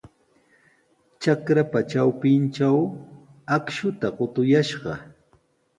Trakrapa trawpintraw akshuta qutuyashqa.